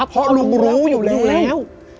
เพราะลุงรู้อยู่แล้ว